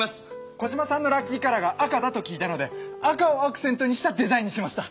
コジマさんのラッキーカラーが赤だと聞いたので赤をアクセントにしたデザインにしました！